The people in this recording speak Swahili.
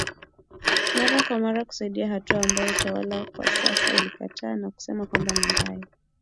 mara kwa mara kusaidia hatua ambayo utawala wa sasa ulikataa na kusema kwamba ni mbaya